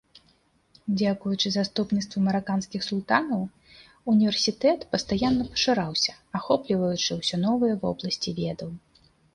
Дзякуючы заступніцтву мараканскіх султанаў універсітэт пастаянна пашыраўся, ахопліваючы ўсе новыя вобласці ведаў.